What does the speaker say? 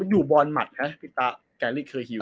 อยู่บอร์นมัดไหมพี่ตาแกรริกเคยฮิลล์